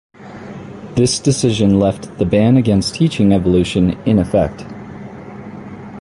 This decision left the ban against teaching evolution in effect.